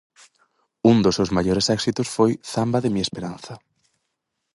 Un dos seus maiores éxitos foi "Zamba de mi esperanza".